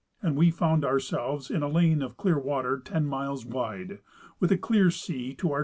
and we found ourselves in a lane of clear water ten miles wide, with a clear sea to the N.